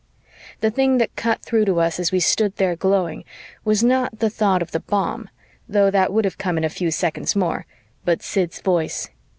The thing that cut through to us as we stood there glowing was not the thought of the bomb, though that would have come in a few seconds more, but Sid's voice.